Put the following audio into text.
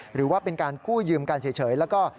หรือว่าเป็นการกู้ยืมกันเฉยแล้วก็